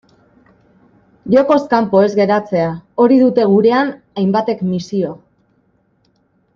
Jokoz kanpo ez geratzea, hori dute gurean hainbatek misio.